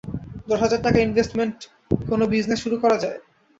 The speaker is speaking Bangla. দশ হাজার টাকা ইনভেস্টমেন্টে কোন বিজনেস শুরু করা যায়?